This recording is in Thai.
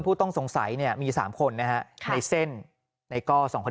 ผู้ต้องสงสัยเนี่ยมี๓คนนะฮะในเส้นในก้อ๒คนที่เป็น